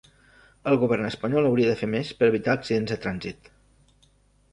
El govern espanyol hauria de fer més per evitar accidents de trànsit